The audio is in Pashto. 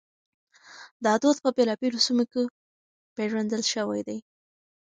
دا دود په بېلابېلو سيمو کې پېژندل شوی دی.